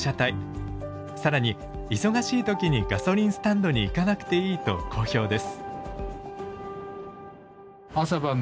更に忙しい時にガソリンスタンドに行かなくていいと好評です。